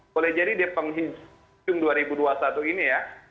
boleh jadi di penghujung dua ribu dua puluh satu ini ya